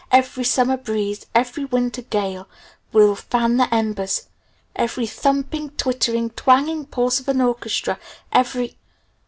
Every summer breeze, every winter gale, will fan the embers! Every thumping, twittering, twanging pulse of an orchestra, every